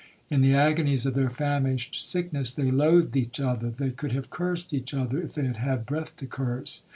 In the agonies of their famished sickness they loathed each other,—they could have cursed each other, if they had had breath to curse.